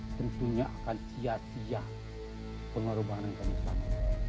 tentunya akan sia sia pengorbanan kami selama ini